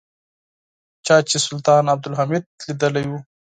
چا چې سلطان عبدالحمید لیدلی و.